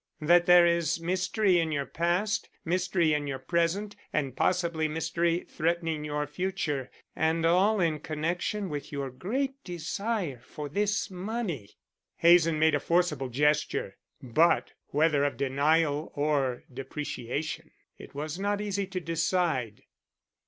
That there is mystery in your past, mystery in your present, and, possibly, mystery threatening your future, and all in connection with your great desire for this money." Hazen made a forcible gesture, but whether of denial or depreciation, it was not easy to decide.